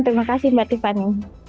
terima kasih mbak tiffany